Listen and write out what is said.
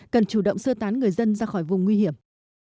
cần chủ động sơ tán người dân ra khỏi vùng nguy hiểm